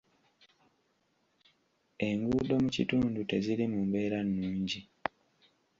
Enguudo mu kitundu teziri mu mbeera nnungi.